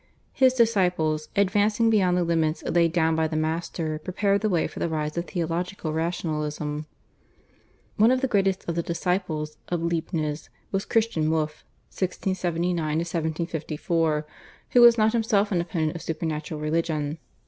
His disciples, advancing beyond the limits laid down by the master, prepared the way for the rise of theological rationalism. One of the greatest of the disciples of Leibniz was Christian Wolf (1679 1754), who was not himself an opponent of supernatural religion.